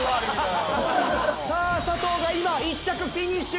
さあ佐藤が今１着フィニッシュ！